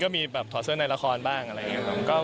ก็มีแบบถอดเสื้อในละครบ้างอะไรอย่างนี้ครับ